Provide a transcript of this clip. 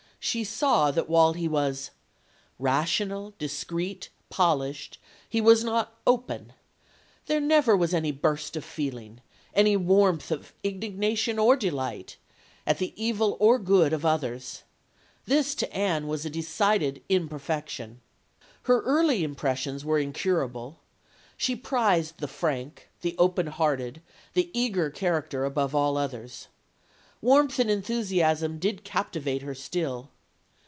She saw that while he was "rational, discreet, polished, he was not open. There never was any burst of feeling, any warmth of indignation or delight, at the evil or good of others. This, to Anne, was a decided imperfection. Her early impressions were incurable. She prized the frank, the open hearted, the eager character beyond all others. Warmth and enthusiasm did captivate her still.